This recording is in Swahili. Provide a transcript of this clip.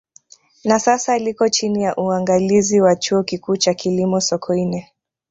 Na sasa liko chini ya uangalizi wa Chuo Kikuu cha Kilimo Sokoine